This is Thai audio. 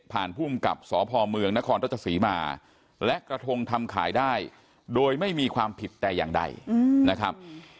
ผ่านพุ่มกับสพเมืองนตศมาและกระทงทำขายได้โดยไม่มีความผิดแต่อย่างใดนะครับ